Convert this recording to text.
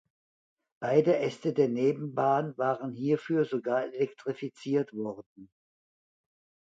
Beide Äste der Nebenbahn waren hierfür sogar elektrifiziert worden.